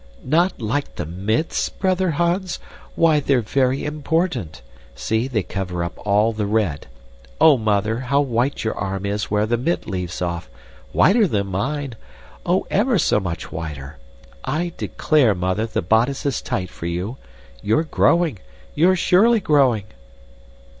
"Not like the mitts, brother Hans! Why, they're very important. See, they cover up all the red. Oh, Mother, how white your arm is where the mitt leaves off, whiter than mine, oh, ever so much whiter. I declare, Mother, the bodice is tight for you. You're growing! You're surely growing!"